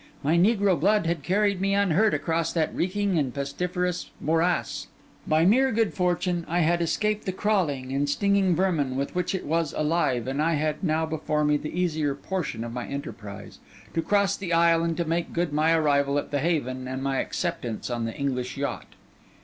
My negro blood had carried me unhurt across that reeking and pestiferous morass; by mere good fortune, I had escaped the crawling and stinging vermin with which it was alive; and I had now before me the easier portion of my enterprise, to cross the isle and to make good my arrival at the haven and my acceptance on the English yacht.